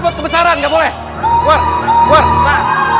udah relatively swara yaa